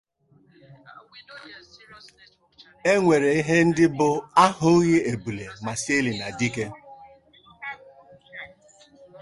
e nwere ihe ndị bụ 'a hụghị ebule ma sị elina dike'